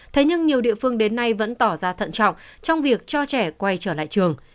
thế nhưng nhiều địa phương đến nay vẫn tỏ ra thận trọng trong việc cho trẻ quay trở lại trường